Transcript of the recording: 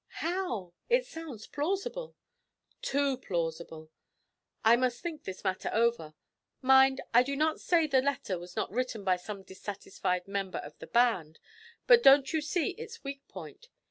how? It sounds plausible.' 'Too plausible. I must think this matter over. Mind, I do not say the letter was not written by some dissatisfied member of the band, but don't you see its weak point?